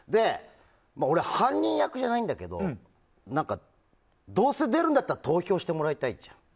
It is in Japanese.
俺、犯人役じゃないんだけどどうせ出るんだったら投票してもらいたいじゃん。